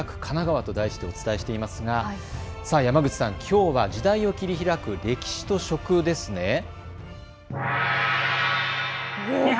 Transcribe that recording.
神奈川と題してお伝えしていますが山口さん、きょうは時代を切り開く歴史と食ですね。